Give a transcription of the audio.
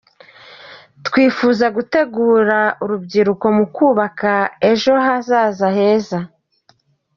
Twifuza gutegura urubyiruko mu kubaka ejo hazaza heza.